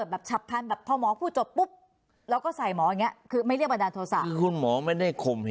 การตายของเพื่อนนี้ไม่เรียกบันดาลโทษะ